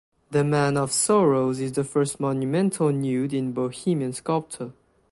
The Man of Sorrows is the first monumental nude in Bohemian sculpture.